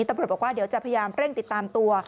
ตำรวจบอกว่าเดี๋ยวจะพยายามเร่งติดตามตัว